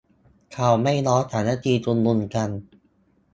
เขาไม่ร้องสามัคคีชุมนุมกัน